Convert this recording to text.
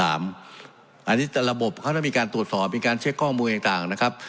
อันนี้ระบบเขาต้องมีการตรวจสอบมีการเช็คข้อมูลต่างนะครับ